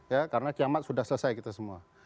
ya karena kiamat sudah selesai kita semua